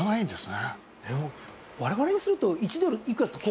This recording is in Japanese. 我々にすると１ドルいくらって。